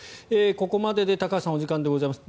ここまでで高橋さん、お時間です。